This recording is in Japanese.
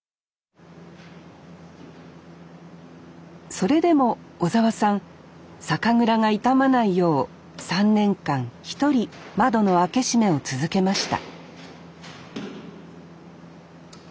それでも尾澤さん酒蔵が傷まないよう３年間一人窓の開け閉めを続けました